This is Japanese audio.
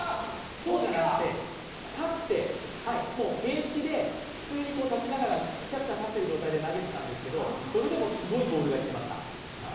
そうではなくて立って、平地で普通にキャッチャーが立っている状態で投げていたんですけど、それでもすごいボールがいってました。